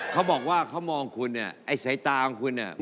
เขาบอกว่าเขามองคุณเนี่ยไอ้สายตาของคุณเนี่ย